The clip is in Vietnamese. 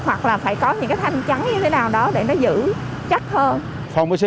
hoặc là phải có những cái thanh chắn như thế nào đó để nó giữ chắc hơn